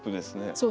そう。